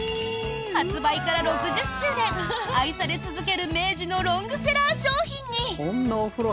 発売から６０周年愛され続ける明治のロングセラー商品に。